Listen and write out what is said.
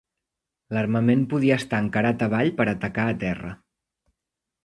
L'armament podia estar encarat avall per atacar a terra.